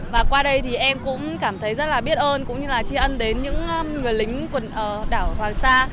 và qua đây em cũng cảm thấy rất biết ơn cũng như là chi ân đến những người lính đảo hoàng sa